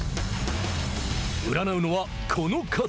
占うのは、この方！